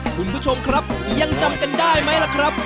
คุณผู้ชมครับยังจำกันได้ไหมล่ะครับ